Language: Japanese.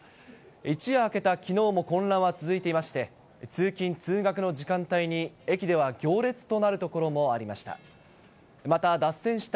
一夜明けたきのうも混乱は続いていまして、通勤・通学の時間帯に駅では行列となる所もありました。